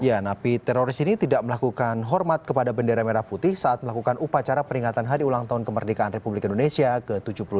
ya napi teroris ini tidak melakukan hormat kepada bendera merah putih saat melakukan upacara peringatan hari ulang tahun kemerdekaan republik indonesia ke tujuh puluh tiga